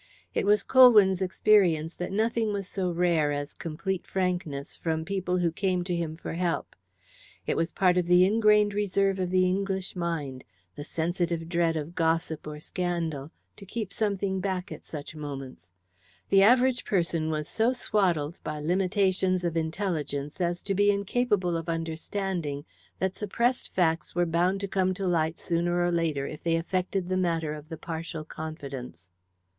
It was Colwyn's experience that nothing was so rare as complete frankness from people who came to him for help. It was part of the ingrained reserve of the English mind, the sensitive dread of gossip or scandal, to keep something back at such moments. The average person was so swaddled by limitations of intelligence as to be incapable of understanding that suppressed facts were bound to come to light sooner or later if they affected the matter of the partial confidence.